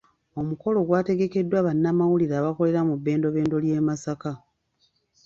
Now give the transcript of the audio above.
Omukolo gwategekeddwa bannamawulire abakolera mu bbendobendo ly'e Masaka.